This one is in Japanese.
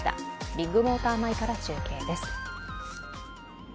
ビッグモーター前から中継です。